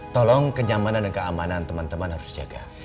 tolong kenyamanan dan keamanan teman teman harus dijaga